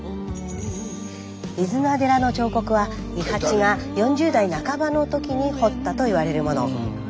飯縄寺の彫刻は伊八が４０代半ばの時に彫ったといわれるもの。